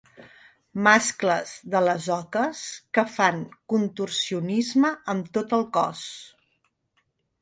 Mascles de les oques que fan contorsionisme amb tot el cos.